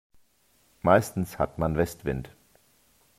Meistens hat man Westwind.